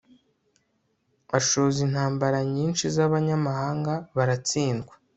ashoza intambara nyinshi n'abanyamahanga, baratsindwa